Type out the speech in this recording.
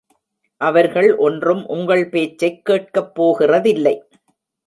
அவர்கள் ஒன்றும் உங்கள் பேச்சைக் கேட்கப் போகிறதில்லை!